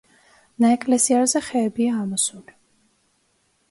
ნაეკლესიარზე ხეებია ამოსული.